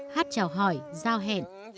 hát chào hỏi giao hẹn